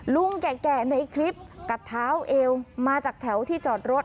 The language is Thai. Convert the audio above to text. ลุงแก่ในคลิปกัดเท้าเอวมาจากแถวที่จอดรถ